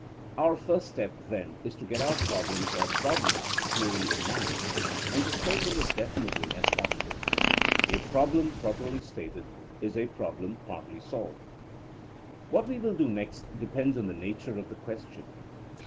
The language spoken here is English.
Our first step, then, is to get our problem or problems dearly in mind, and to state them as definitely as possible. A problem property stated is a problem partly solved. What we will do next depends on the nature of the question.